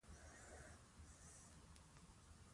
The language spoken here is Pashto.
پېیر کوري ولې د کان د موادو پرتله وکړه؟